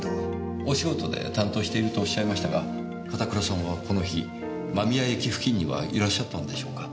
お仕事で担当しているとおっしゃいましたが片倉さんはこの日間宮駅付近にはいらっしゃったんでしょうか？